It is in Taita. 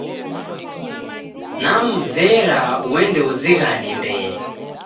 Nemreza uende uzighane ndee.